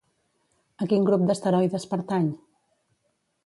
A quin grup d'asteroides pertany?